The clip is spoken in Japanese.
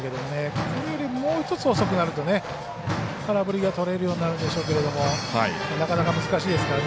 これより、もう一つ遅くなると空振りがとれるようになるでしょうけどなかなか難しいですからね。